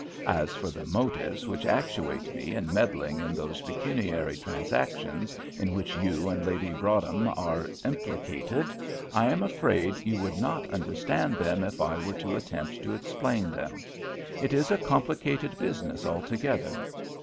As for the motives which actuate me in meddling in those pecuniary transactions in which you and Lady Broadhem are implicated, I am afraid you would not understand them if I were to attempt to explain them. It is a complicated business altogether.